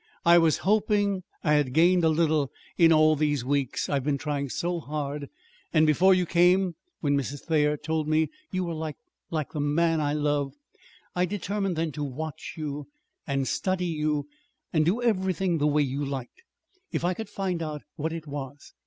I was hoping I I had gained a little in all these weeks. I've been trying so hard. And before you came, when Mrs. Thayer told me you were like like the man I love, I determined then to watch you and study you, and do everything the way you liked, if I could find out what it was.